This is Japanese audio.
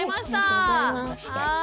ありがとうございます。